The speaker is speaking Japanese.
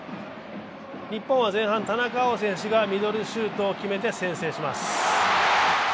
日本は前半、田中碧選手がミドルシュートを決めます。